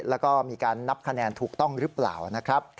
แล้วก็มีการนับคะแนนถูกต้องหรือเปล่านะครับ